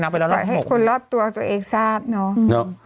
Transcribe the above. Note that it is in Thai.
ไปเล่าให้คนรอบตัวตัวเองทราบเนอะ